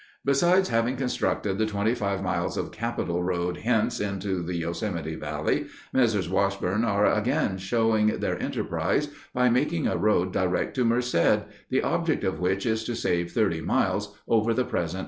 Besides having constructed the twenty five miles of capital road hence into the Yosemite Valley, Messrs. Washburn are again showing their enterprise by making a road direct to Merced, the object of which is to save thirty miles over the present Mariposa route.